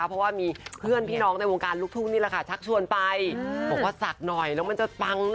เพราะว่ามีเพื่อนพี่น้องในวงการลูกทุ่งนี่แหละค่ะชักชวนไปบอกว่าศักดิ์หน่อยแล้วมันจะปัง